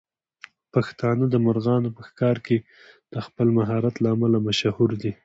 پښتانه د مرغانو په ښکار کې د خپل مهارت له امله مشهور دي.